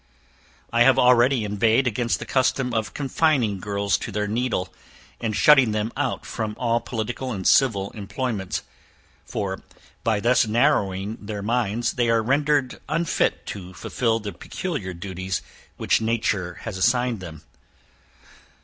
I have already inveighed against the custom of confining girls to their needle, and shutting them out from all political and civil employments; for by thus narrowing their minds they are rendered unfit to fulfil the peculiar duties which nature has assigned them.